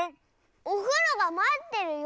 「おふろがまってるよ」！